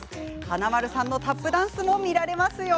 華丸さんのタップダンスも見られますよ。